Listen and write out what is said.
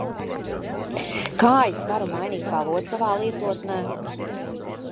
Kā es varu mainīt valodu savā lietotnē?